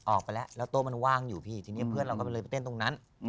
ออกไปแล้วแล้วโต๊ะมันว่างอยู่พี่ทีนี้เพื่อนเราก็เลยไปเต้นตรงนั้น